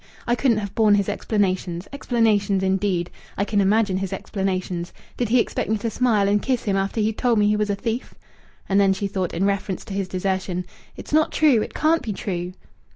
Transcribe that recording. I couldn't have borne his explanations!... Explanations, indeed! I can imagine his explanations! Did he expect me to smile and kiss him after he'd told me he was a thief?" And then she thought, in reference to his desertion: "It's not true! It can't be true!"